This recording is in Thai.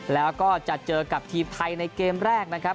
แล้วก็จะเจอกับทีมไทยในเกมแรกนะครับ